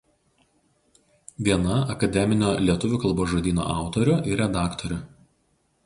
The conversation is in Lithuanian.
Viena akademinio „Lietuvių kalbos žodyno“ autorių ir redaktorių.